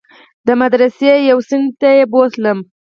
د مدرسې يوې څنډې ته يې بوتلم.